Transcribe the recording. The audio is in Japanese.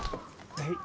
はい。